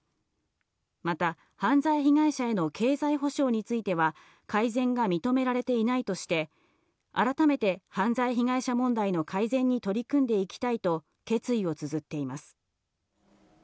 また、犯罪被害者への経済補償については、改善が認められていないとして、改めて犯罪被害者問題の改善に取り組んでいきたいと、決意をつづっています。